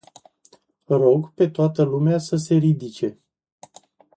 Rog pe toată lumea să se ridice.